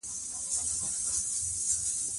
مونږ ته پته ده چې دا فلم امريکې جوړ کړے دے